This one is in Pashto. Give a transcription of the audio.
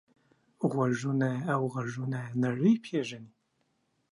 غوږونه له غږونو نړۍ پېژني